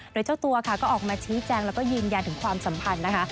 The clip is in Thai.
โดยเจ้าตัวค่ะก็ออกมาชี้แจงแล้วก็ยืนยันถึงความสัมพันธ์นะคะ